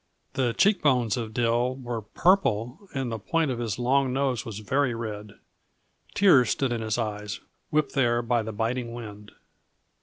The cheek bones of Dill were purple and the point of his long nose was very red. Tears stood in his eyes, whipped there by the biting wind.